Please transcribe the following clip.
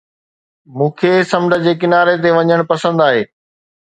مون کي سمنڊ جي ڪناري تي وڃڻ پسند آهي.